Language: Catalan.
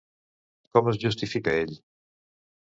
Com es justifica ell?